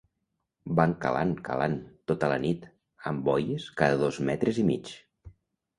Van calant calant, tota la nit, amb boies cada dos metres i mig.